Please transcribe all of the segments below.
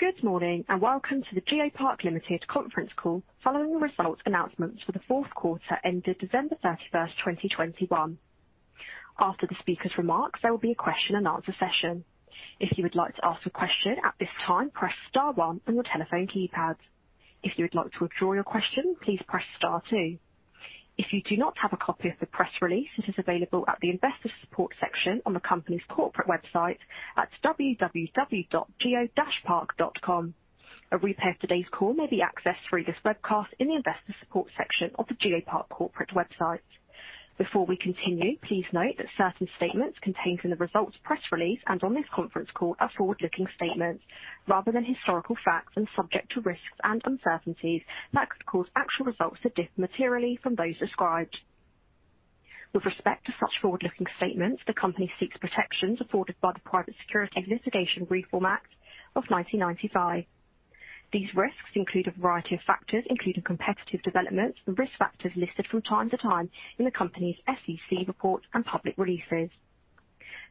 Good morning, and welcome to the GeoPark Limited conference call following the results announcements for the Q4 ended December 31st, 2021. After the speaker's remarks, there will be a question-and-answer session. If you would like to ask a question at this time, press star one on your telephone keypad. If you would like to withdraw your question, please press star two. If you do not have a copy of the press release, it is available at the investor support section on the company's corporate website at www.geopark.com. A replay of today's call may be accessed through this webcast in the investor support section of the GeoPark corporate website. Before we continue, please note that certain statements contained in the results press release and on this conference call are forward-looking statements rather than historical facts and are subject to risks and uncertainties that could cause actual results to differ materially from those described. With respect to such forward-looking statements, the company seeks protections afforded by the Private Securities Litigation Reform Act of 1995. These risks include a variety of factors, including competitive developments and risk factors listed from time to time in the company's SEC reports and public releases.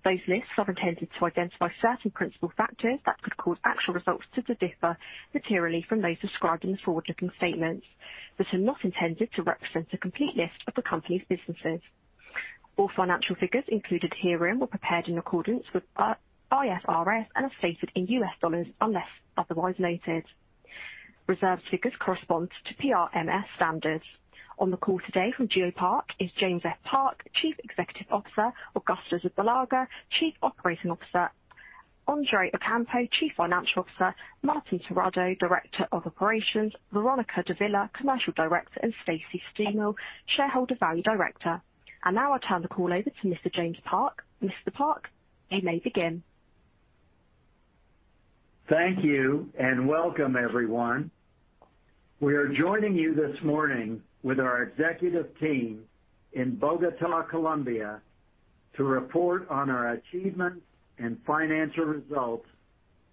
Those lists are intended to identify certain principal factors that could cause actual results to differ materially from those described in the forward-looking statements, but are not intended to represent a complete list of the company's businesses. All financial figures included herein were prepared in accordance with IFRS and are stated in U.S. dollars unless otherwise noted. Reserved figures correspond to PRMS standards. On the call today from GeoPark is James F. Park, Chief Executive Officer, Augusto Zubillaga, Chief Operating Officer, Andrés Ocampo, Chief Financial Officer, Martín Terrado, Director of Operations, Veronica Davila, Commercial Director, and Stacy Steimel, Shareholder Value Director. Now I'll turn the call over to Mr. James Park. Mr. Park, you may begin. Thank you, and welcome everyone. We are joining you this morning with our executive team in Bogotá, Colombia, to report on our achievements and financial results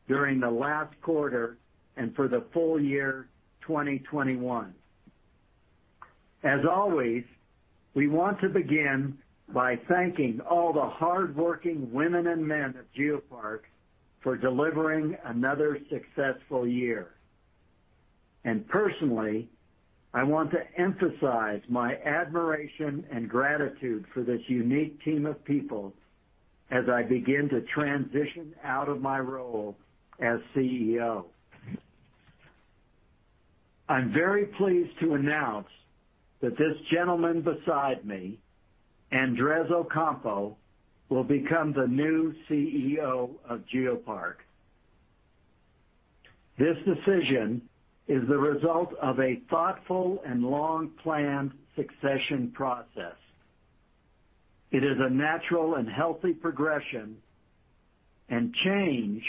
during the last quarter and for the full year 2021. As always, we want to begin by thanking all the hardworking women and men at GeoPark for delivering another successful year. Personally, I want to emphasize my admiration and gratitude for this unique team of people as I begin to transition out of my role as CEO. I'm very pleased to announce that this gentleman beside me, Andrés Ocampo, will become the new CEO of GeoPark. This decision is the result of a thoughtful and long-planned succession process. It is a natural and healthy progression, and change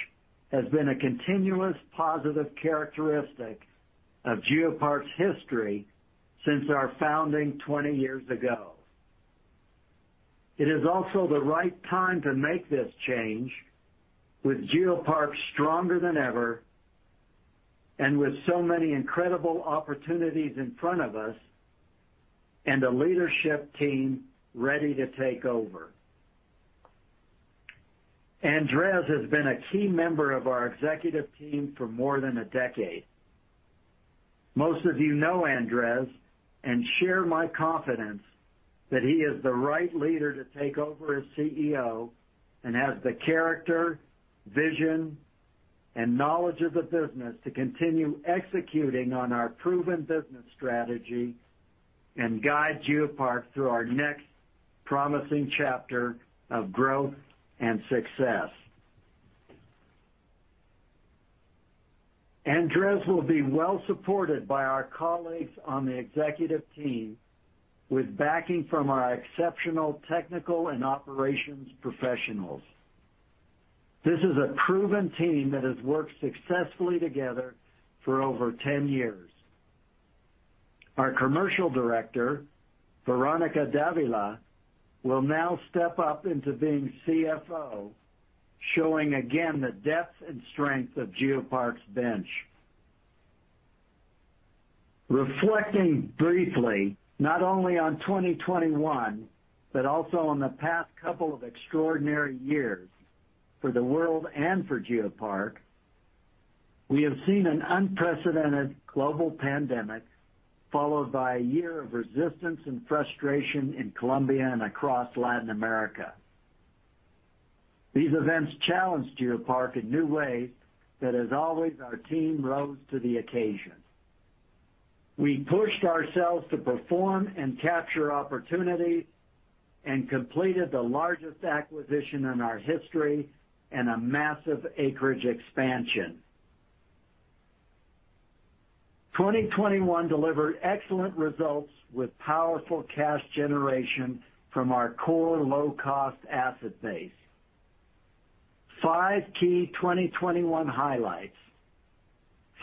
has been a continuous positive characteristic of GeoPark's history since our founding 20 years ago. It is also the right time to make this change with GeoPark stronger than ever and with so many incredible opportunities in front of us and a leadership team ready to take over. Andrés has been a key member of our executive team for more than a decade. Most of you know Andrés and share my confidence that he is the right leader to take over as CEO and has the character, vision, and knowledge of the business to continue executing on our proven business strategy and guide GeoPark through our next promising chapter of growth and success. Andrés will be well-supported by our colleagues on the executive team with backing from our exceptional technical and operations professionals. This is a proven team that has worked successfully together for over 10 years. Our Commercial Director, Veronica Davila, will now step up into being CFO, showing again the depth and strength of GeoPark's bench. Reflecting briefly not only on 2021 but also on the past couple of extraordinary years for the world and for GeoPark, we have seen an unprecedented global pandemic, followed by a year of resistance and frustration in Colombia and across Latin America. These events challenged GeoPark in new ways that as always, our team rose to the occasion. We pushed ourselves to perform and capture opportunities and completed the largest acquisition in our history and a massive acreage expansion. 2021 delivered excellent results with powerful cash generation from our core low-cost asset base. Five key 2021 highlights.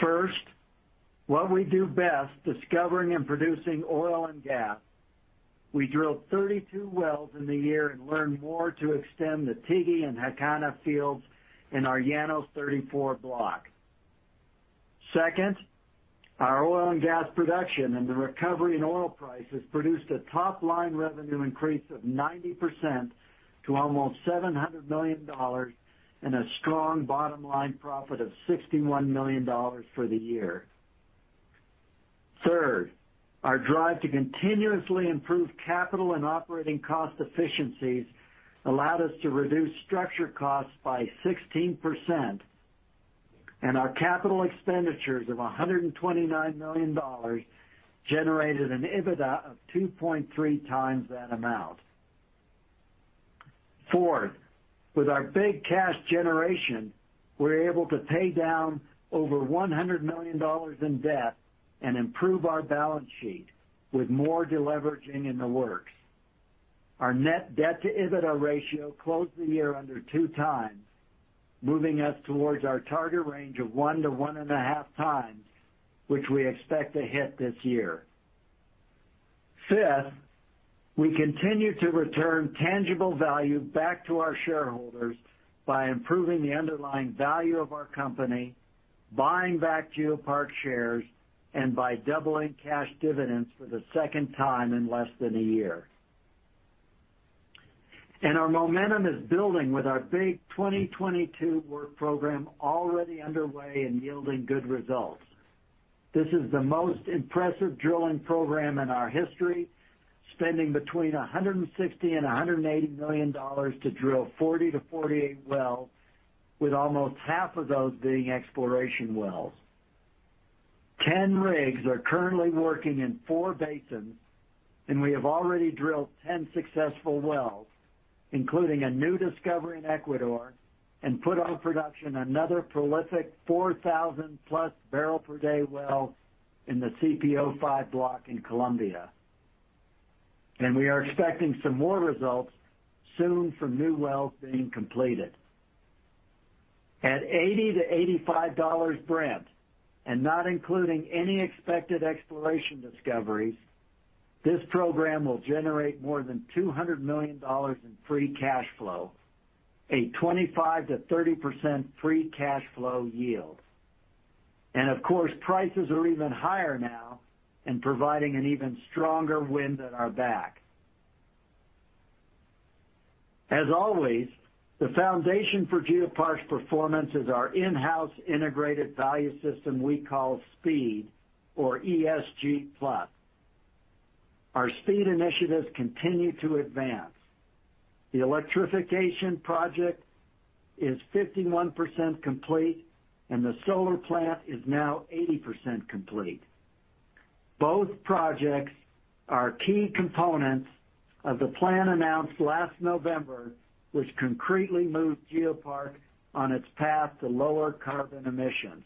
First, what we do best, discovering and producing oil and gas. We drilled 32 wells in the year and learned more to extend the Tigana and Jacana fields in our Llanos 34 block. Second, our oil and gas production and the recovery in oil prices produced a top-line revenue increase of 90% to almost $700 million and a strong bottom line profit of $61 million for the year. Third, our drive to continuously improve capital and operating cost efficiencies allowed us to reduce operating costs by 16%, and our capital expenditures of $129 million generated an EBITDA of 2.3x that amount. Fourth, with our big cash generation, we're able to pay down over $100 million in debt and improve our balance sheet with more deleveraging in the works. Our net debt to EBITDA ratio closed the year under 2x, moving us towards our target range of 1x to 1.5x, which we expect to hit this year. Fifth, we continue to return tangible value back to our shareholders by improving the underlying value of our company, buying back GeoPark shares, and by doubling cash dividends for the second time in less than a year. Our momentum is building with our big 2022 work program already underway and yielding good results. This is the most impressive drilling program in our history, spending between $160 million and $180 million to drill 40-48 wells, with almost half of those being exploration wells. 10 rigs are currently working in 4 basins, and we have already drilled 10 successful wells, including a new discovery in Ecuador, and put on production another prolific 4,000+ barrel per day well in the CPO-5 block in Colombia. We are expecting some more results soon from new wells being completed. At $80-$85 Brent, and not including any expected exploration discoveries, this program will generate more than $200 million in free cash flow, a 25%-30% free cash flow yield. Of course, prices are even higher now and providing an even stronger wind at our back. As always, the foundation for GeoPark's performance is our in-house integrated value system we call SPEED or ESG plus. Our SPEED initiatives continue to advance. The electrification project is 51% complete, and the solar plant is now 80% complete. Both projects are key components of the plan announced last November, which concretely moved GeoPark on its path to lower carbon emissions.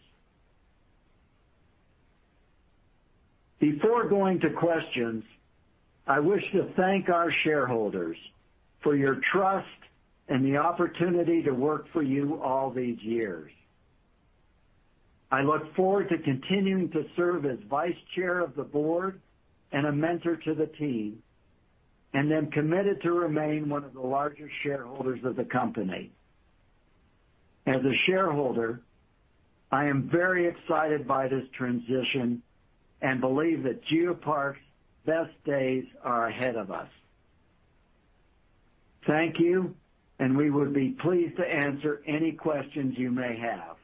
Before going to questions, I wish to thank our shareholders for your trust and the opportunity to work for you all these years. I look forward to continuing to serve as vice chair of the board and a mentor to the team, and I'm committed to remain one of the largest shareholders of the company. As a shareholder, I am very excited by this transition and believe that GeoPark's best days are ahead of us. Thank you, and we would be pleased to answer any questions you may have.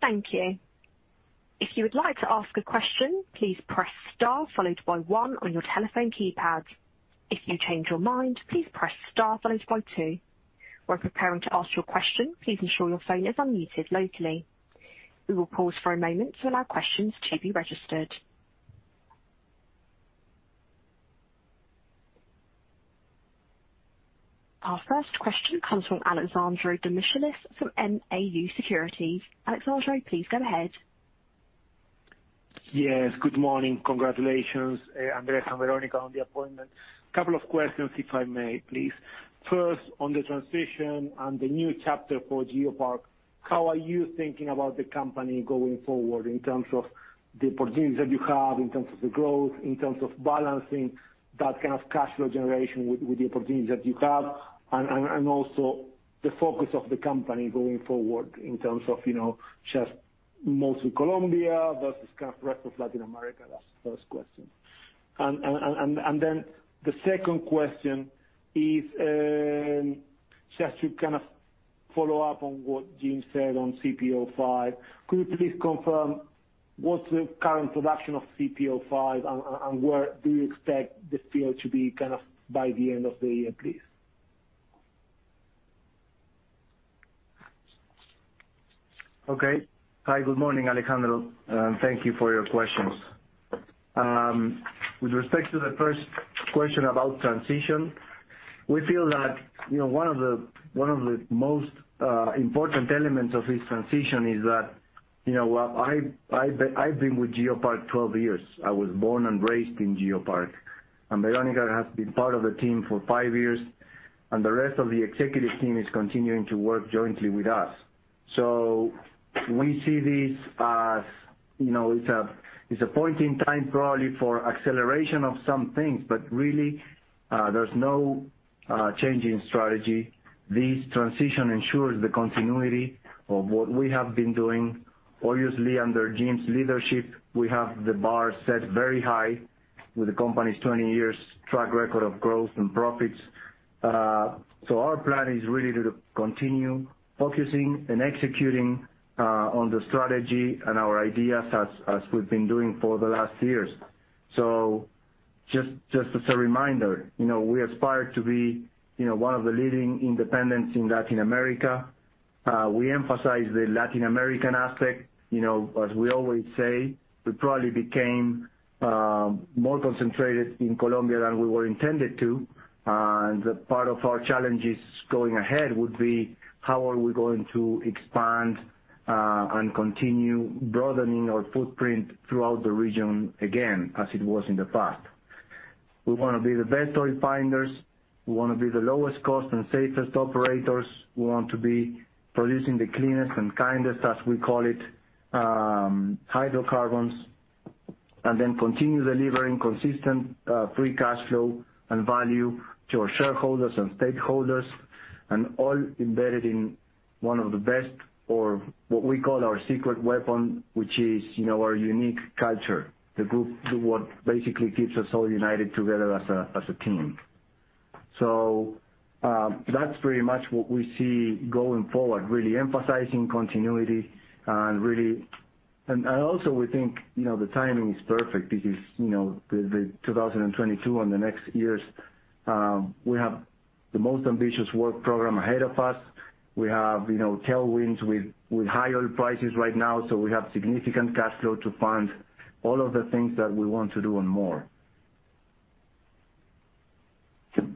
Thank you. If you would like to ask a question, please press star followed by one on your telephone keypad. If you change your mind, please press star followed by two. While preparing to ask your question, please ensure your phone is unmuted locally. We will pause for a moment to allow questions to be registered. Our first question comes from Alejandro Demichelis from Nau Securities. Alejandro, please go ahead. Yes. Good morning. Congratulations, Andrés and Veronica, on the appointment. A couple of questions if I may, please. First, on the transition and the new chapter for GeoPark, how are you thinking about the company going forward in terms of the opportunities that you have, in terms of the growth, in terms of balancing that kind of cash flow generation with the opportunities that you have and also the focus of the company going forward in terms of, you know, just mostly Colombia versus kind of rest of Latin America? That's the first question. And then the second question is, just to kind of follow up on what Jim said on CPO-5, could you please confirm what's the current production of CPO-5 and where do you expect this field to be kind of by the end of the year, please? Okay. Hi. Good morning, Alejandro, and thank you for your questions. With respect to the first question about transition, we feel that, you know, one of the most important elements of this transition is that, you know, well, I've been with GeoPark 12 years. I was born and raised in GeoPark, and Veronica has been part of the team for five years, and the rest of the executive team is continuing to work jointly with us. We see this as, you know, it's a point in time probably for acceleration of some things. Really, there's no change in strategy. This transition ensures the continuity of what we have been doing. Obviously, under Jim's leadership, we have the bar set very high with the company's 20 years track record of growth and profits. Our plan is really to continue focusing and executing on the strategy and our ideas as we've been doing for the last years. Just as a reminder, you know, we aspire to be, you know, one of the leading independents in Latin America. We emphasize the Latin American aspect. You know, as we always say, we probably became more concentrated in Colombia than we were intended to. Part of our challenges going ahead would be how are we going to expand and continue broadening our footprint throughout the region again, as it was in the past. We wanna be the best oil finders. We wanna be the lowest cost and safest operators. We want to be producing the cleanest and kindest, as we call it, hydrocarbons, and then continue delivering consistent free cash flow and value to our shareholders and stakeholders, and all embedded in one of the best or what we call our secret weapon, which is, you know, our unique culture. The glue that basically keeps us all united together as a team. So, that's pretty much what we see going forward, really emphasizing continuity. Also we think, you know, the timing is perfect because, you know, the 2022 and the next years, we have the most ambitious work program ahead of us. We have, you know, tailwinds with high oil prices right now, so we have significant cash flow to fund all of the things that we want to do and more. Okay.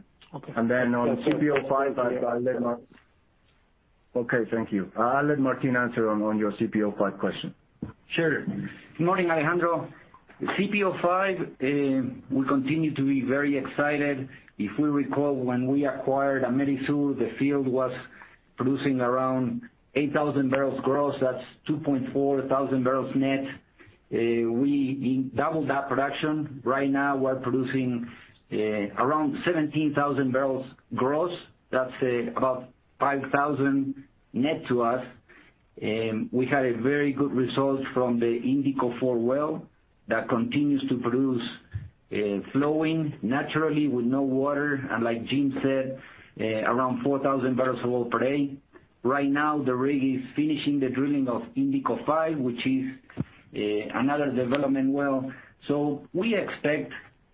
Okay, thank you. I'll let Martín answer on your CPO-5 question. Sure. Good morning, Alejandro. CPO-5, we continue to be very excited. If we recall, when we acquired Amerisur, the field was producing around 8,000 barrels gross. That's 2,400 barrels net. We doubled that production. Right now we're producing around 17,000 barrels gross. That's about 5,000 net to us. We had a very good result from the Indico four well that continues to produce flowing naturally with no water. Like Jim said, around 4,000 barrels of oil per day. Right now, the rig is finishing the drilling of Indico five, which is another development well. We expect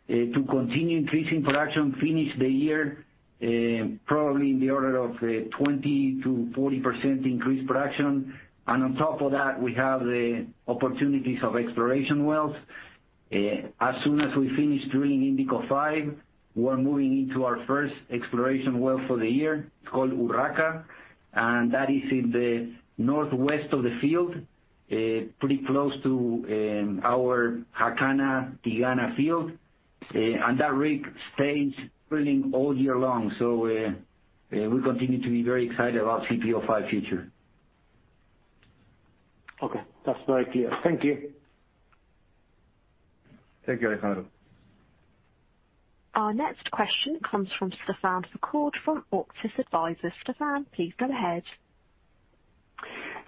to continue increasing production, finish the year probably in the order of 20%-40% increased production. On top of that, we have the opportunities of exploration wells. As soon as we finish drilling Indico five, we're moving into our first exploration well for the year. It's called Urraca, and that is in the northwest of the field, pretty close to our Jacana Tigana field. That rig stays drilling all year long. We continue to be very excited about CPO-5 future. Okay. That's very clear. Thank you. Thank you, Alejandro. Our next question comes from Stephane Foucaud from Auctus Advisors. Stephane, please go ahead.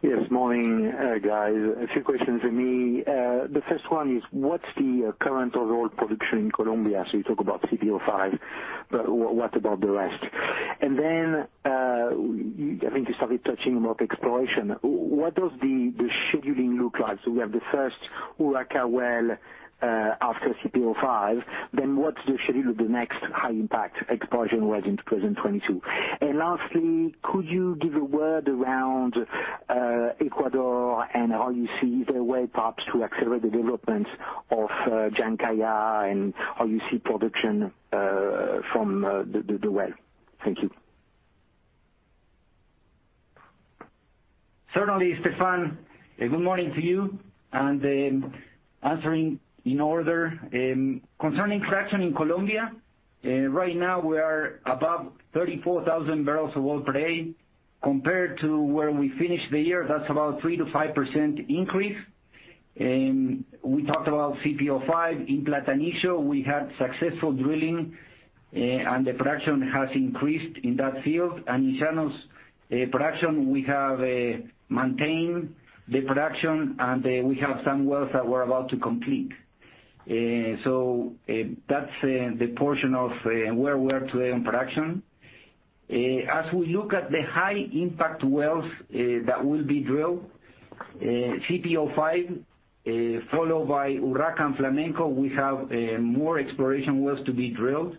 Good morning, guys. A few questions from me. The first one is, what's the current overall production in Colombia? You talk about CPO-5, but what about the rest? I think you started touching on exploration. What does the scheduling look like? We have the first Urraca well after CPO-5. What's the schedule of the next high impact exploration wells into 2022? Lastly, could you give a word around Ecuador and how you see the way perhaps to accelerate the development of Jandaya and how you see production from the well? Thank you. Certainly, Stefan. Good morning to you. Answering in order. Concerning production in Colombia, right now we are above 34,000 barrels of oil per day. Compared to where we finished the year, that's about 3%-5% increase. We talked about CPO-5. In Platanillo, we had successful drilling, and the production has increased in that field. In Llanos production, we have maintained the production, and we have some wells that we're about to complete. That's the portion of where we are today on production. As we look at the high impact wells that will be drilled, CPO-5, followed by Urraca and Flamenco, we have more exploration wells to be drilled.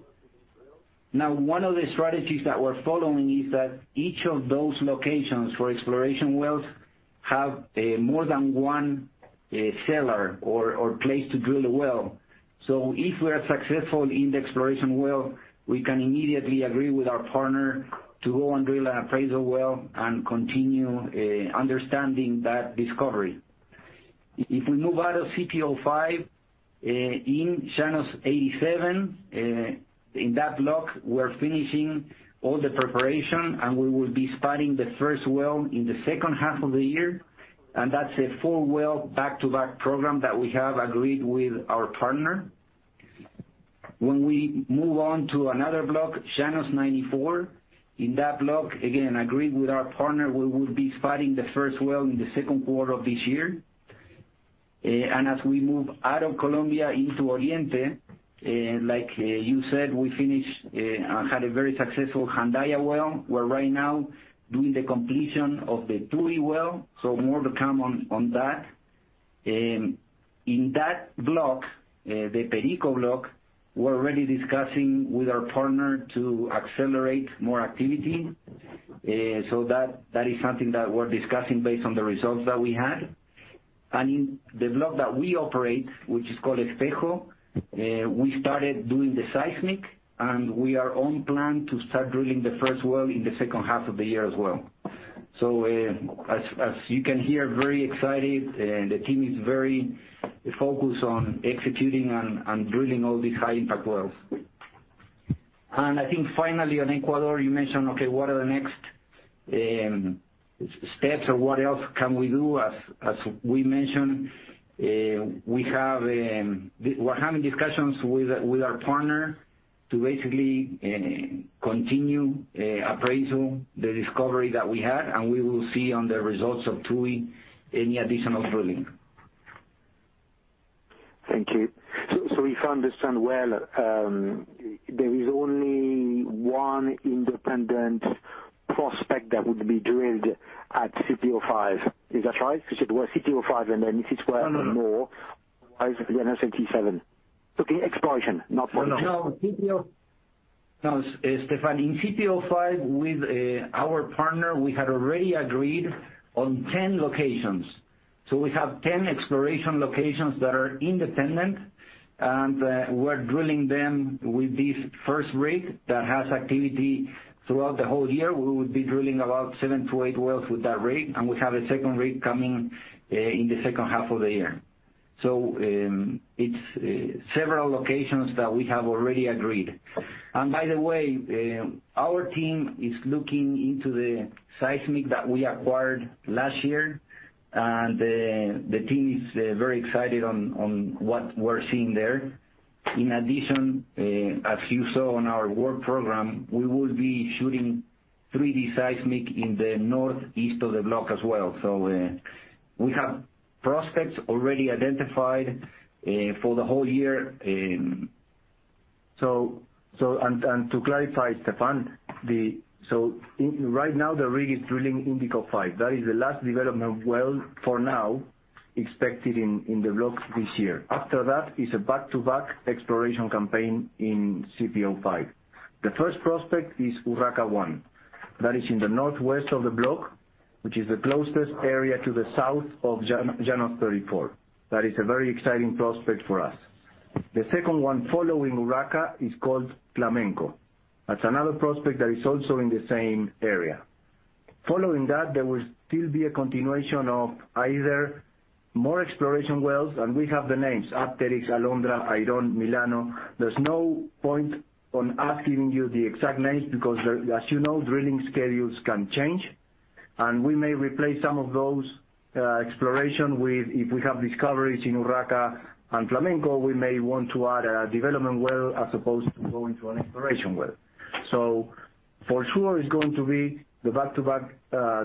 Now, one of the strategies that we're following is that each of those locations for exploration wells have more than one seller or place to drill a well. If we are successful in the exploration well, we can immediately agree with our partner to go and drill an appraisal well and continue understanding that discovery. If we move out of CPO-5, in Llanos 87, in that block, we're finishing all the preparation, and we will be starting the first well in the second half of the year. That's a four-well back-to-back program that we have agreed with our partner. When we move on to another block, Llanos 94, in that block, again, agreed with our partner, we will be starting the first well in the Q2 of this year. As we move out of Colombia into Oriente, like, you said, we finished, had a very successful Jandaya well. We're right now doing the completion of the Tui well. More to come on that. In that block, the Perico block, we're already discussing with our partner to accelerate more activity. That is something that we're discussing based on the results that we had. In the block that we operate, which is called Espejo, we started doing the seismic, and we are on plan to start drilling the first well in the second half of the year as well. As you can hear, very excited, and the team is very focused on executing on drilling all these high impact wells. I think finally on Ecuador, you mentioned, okay, what are the next steps or what else can we do? As we mentioned, we're having discussions with our partner to basically continue appraisal the discovery that we had, and we will see on the results of Tui any additional drilling. Thank you. If I understand well, there is only one independent prospect that would be drilled at CPO-5. Is that right? You said it was CPO-5, and then if it were more- No, no. Llanos 87. Okay, exploration, not for- No, Stephane. In CPO-5, with our partner, we had already agreed on 10 locations. We have 10 exploration locations that are independent, and we're drilling them with this first rig that has activity throughout the whole year. We will be drilling about seven-eight wells with that rig, and we have a second rig coming in the second half of the year. It's several locations that we have already agreed. By the way, our team is looking into the seismic that we acquired last year. The team is very excited on what we're seeing there. In addition, as you saw on our work program, we will be shooting 3D seismic in the northeast of the block as well. We have prospects already identified for the whole year. To clarify, Stéphane, right now, the rig is drilling Indico 5. That is the last development well for now expected in the blocks this year. After that is a back-to-back exploration campaign in CPO-5. The first prospect is Urraka 1. That is in the northwest of the block, which is the closest area to the south of Llanos 34. That is a very exciting prospect for us. The second one following Urraka is called Flamenco. That's another prospect that is also in the same area. Following that, there will still be a continuation of either more exploration wells, and we have the names Apteryx, Alondra, Airón, Milano. There's no point in us giving you the exact names because, as you know, drilling schedules can change, and we may replace some of those exploration with... If we have discoveries in Urraka and Flamenco, we may want to add a development well as opposed to going to an exploration well. For sure it's going to be the back-to-back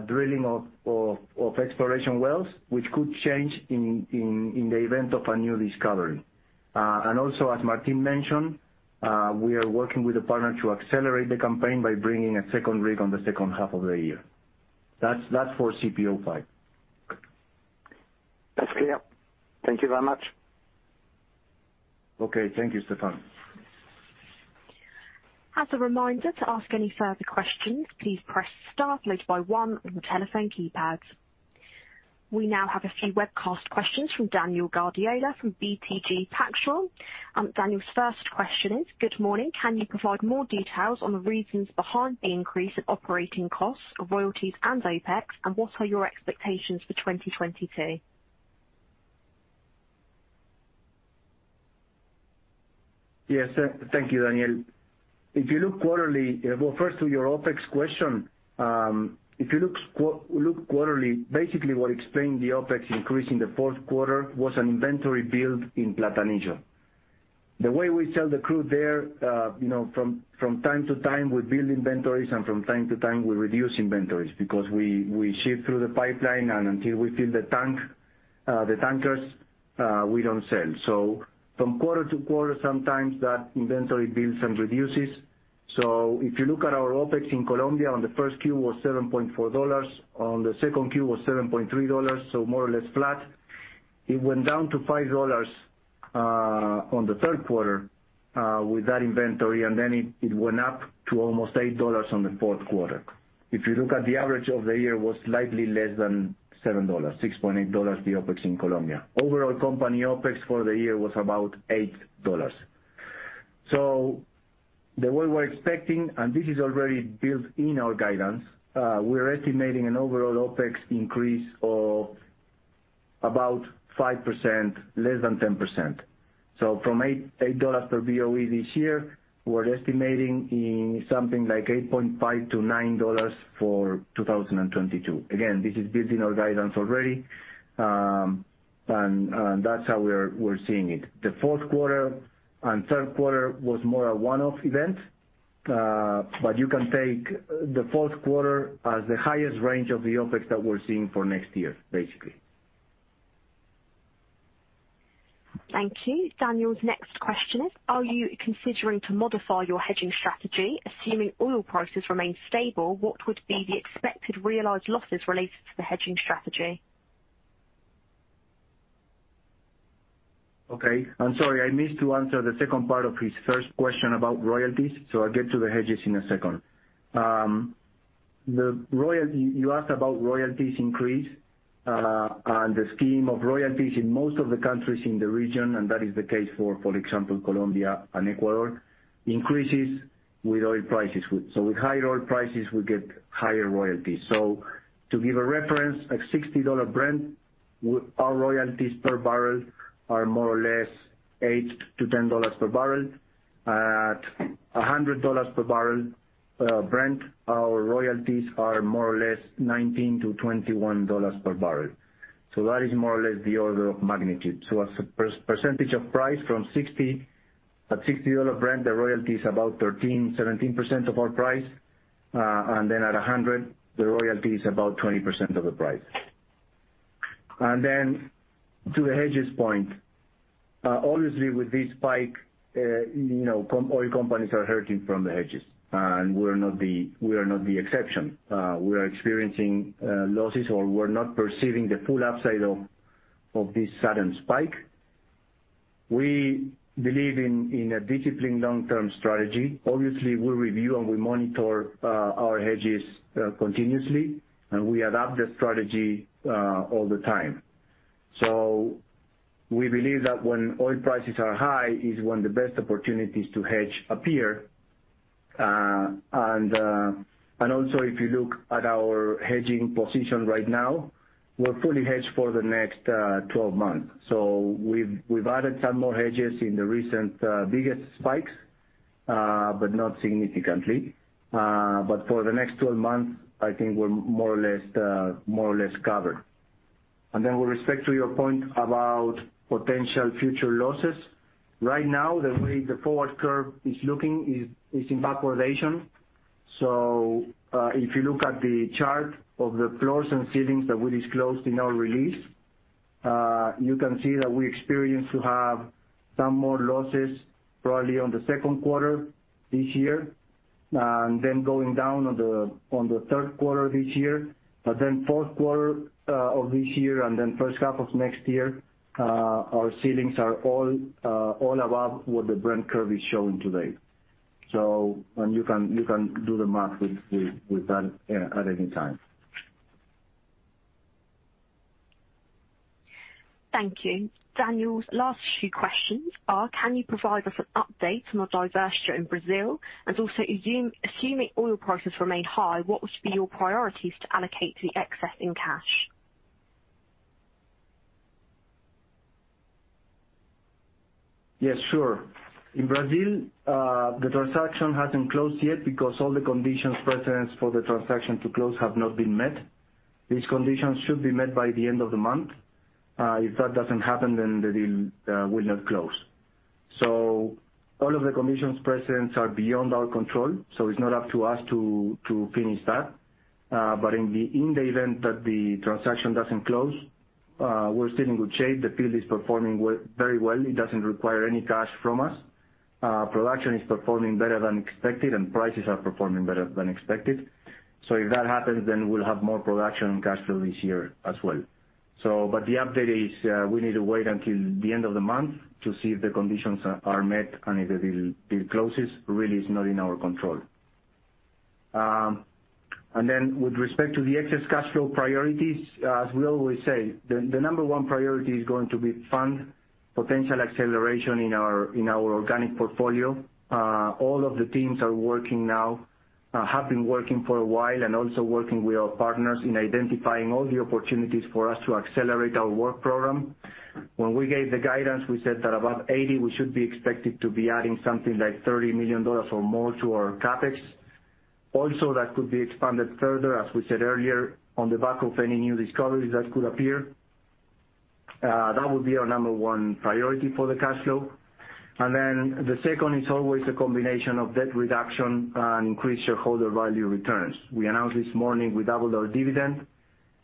drilling of exploration wells, which could change in the event of a new discovery. And also as Martín mentioned, we are working with the partner to accelerate the campaign by bringing a second rig on the second half of the year. That's for CPO-5. That's clear. Thank you very much. Okay. Thank you, Stephane. As a reminder to ask any further questions, please press star followed by one on your telephone keypads. We now have a few webcast questions from Daniel Guardiola, from BTG Pactual. Daniel's first question is: Good morning. Can you provide more details on the reasons behind the increase in operating costs of royalties and OpEx, and what are your expectations for 2022? Yes. Thank you, Daniel. If you look quarterly. Well, first to your OpEx question, if you look quarterly, basically what explained the OpEx increase in the Q4 was an inventory build in Platanillo. The way we sell the crude there, you know, from time to time, we build inventories, and from time to time, we reduce inventories because we ship through the pipeline, and until we fill the tank, the tankers, we don't sell. So from quarter to quarter, sometimes that inventory builds and reduces. If you look at our OpEx in Colombia, on the Q1 was $7.4. On the Q2 was $7.3, so more or less flat. It went down to $5 on the Q3 with that inventory, and then it went up to almost $8 on the Q4. If you look at the average of the year, was slightly less than $7, $6.8, the OpEx in Colombia. Overall company OpEx for the year was about $8. The way we're expecting, and this is already built in our guidance, we're estimating an overall OpEx increase of about 5%, less than 10%. From $8 per BOE this year, we're estimating something like $8.5-$9 for 2022. Again, this is built in our guidance already, and that's how we're seeing it. The Q4 and Q3 was more a one-off event. But you can take the Q4 as the highest range of the OpEx that we're seeing for next year, basically. Thank you. Daniel's next question is: Are you considering to modify your hedging strategy? Assuming oil prices remain stable, what would be the expected realized losses related to the hedging strategy? Okay. I'm sorry, I missed to answer the second part of his first question about royalties. I'll get to the hedges in a second. The royalty... You asked about royalties increase and the scheme of royalties in most of the countries in the region, and that is the case for example, Colombia and Ecuador, increases with oil prices. With higher oil prices, we get higher royalties. To give a reference, a $60 Brent, our royalties per barrel are more or less $8-$10 per barrel. At a $100 per barrel, Brent, our royalties are more or less $19-$21 per barrel. That is more or less the order of magnitude. As a percentage of price from 60, at $60 Brent, the royalty is about 13%-17% of our price. Then at $100, the royalty is about 20% of the price. To the hedges point, obviously with this spike, you know, oil companies are hurting from the hedges, and we're not the exception. We are experiencing losses, or we're not perceiving the full upside of this sudden spike. We believe in a disciplined long-term strategy. Obviously, we review and we monitor our hedges continuously, and we adapt the strategy all the time. We believe that when oil prices are high is when the best opportunities to hedge appear. Also if you look at our hedging position right now, we're fully hedged for the next 12 months. We've added some more hedges in the recent biggest spikes, but not significantly. For the next 12 months, I think we're more or less covered. With respect to your point about potential future losses, right now, the way the forward curve is looking is in backwardation. If you look at the chart of the floors and ceilings that we disclosed in our release, you can see that we expect to have some more losses probably on the Q2 this year, and then going down on the Q3 this year. Q4 of this year and then first half of next year, our ceilings are all above what the Brent curve is showing today. You can do the math with that at any time. Thank you. Daniel's last few questions are. Can you provide us an update on the divestiture in Brazil? Assuming oil prices remain high, what would be your priorities to allocate the excess cash? Yes, sure. In Brazil, the transaction hasn't closed yet because all the conditions precedents for the transaction to close have not been met. These conditions should be met by the end of the month. If that doesn't happen, then the deal will not close. All of the conditions precedents are beyond our control, so it's not up to us to finish that. In the event that the transaction doesn't close, we're still in good shape. The field is performing very well. It doesn't require any cash from us. Production is performing better than expected, and prices are performing better than expected. If that happens, then we'll have more production and cash flow this year as well. The update is, we need to wait until the end of the month to see if the conditions are met and if the deal closes. Really it's not in our control. With respect to the excess cash flow priorities, as we always say, the number one priority is going to be fund potential acceleration in our organic portfolio. All of the teams are working now, have been working for a while and also working with our partners in identifying all the opportunities for us to accelerate our work program. When we gave the guidance, we said that above 80, we should be expected to be adding something like $30 million or more to our CapEx. Also, that could be expanded further, as we said earlier, on the back of any new discoveries that could appear. That would be our number one priority for the cash flow. Then the second is always a combination of debt reduction and increased shareholder value returns. We announced this morning we doubled our dividend.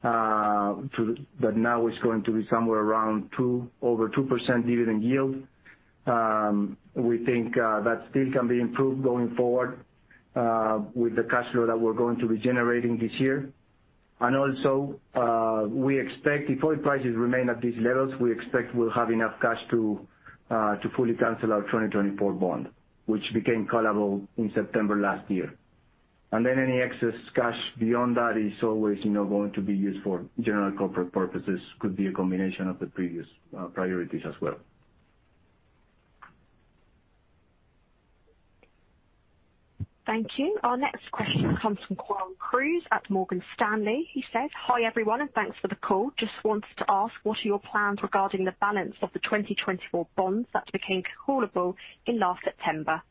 That now is going to be somewhere around two, over 2% dividend yield. We think that still can be improved going forward with the cash flow that we're going to be generating this year. We expect if oil prices remain at these levels, we expect we'll have enough cash to fully cancel our 2024 bond, which became callable in September last year. Then any excess cash beyond that is always, you know, going to be used for general corporate purposes. Could be a combination of the previous priorities as well. Thank you. Our next question comes from Juan Cruz at Morgan Stanley. He says: Hi, everyone, and thanks for the call. Just wanted to ask, what are your plans regarding the balance of the 2024 bonds that became callable in last September?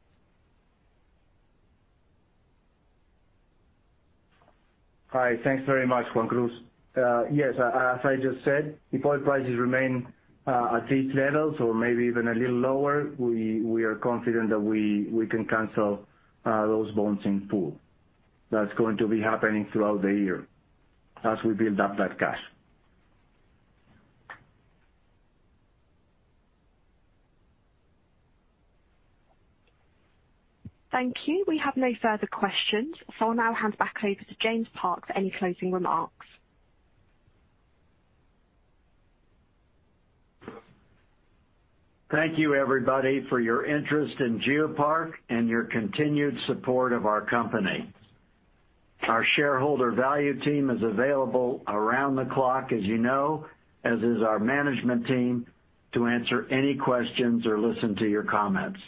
Hi. Thanks very much, Juan Cruz. Yes, as I just said, if oil prices remain at these levels or maybe even a little lower, we are confident that we can cancel those bonds in full. That's going to be happening throughout the year as we build up that cash. Thank you. We have no further questions. I'll now hand back over to James Park for any closing remarks. Thank you, everybody, for your interest in GeoPark and your continued support of our company. Our shareholder value team is available around the clock, as you know, as is our management team, to answer any questions or listen to your comments.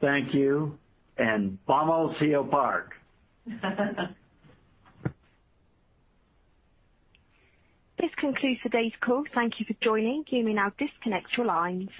Thank you, and vamos GeoPark. This concludes today's call. Thank you for joining. You may now disconnect your lines.